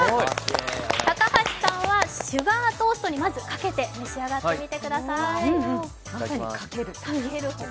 高橋さんはシュガートーストにまずかけて召し上がってみてください。